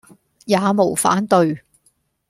也無反對，